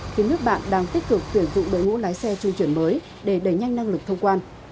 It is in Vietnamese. khiến nước bạn đang tích cực tuyển dụng đội ngũ lái xe trung chuyển mới để đẩy nhanh năng lực thông quan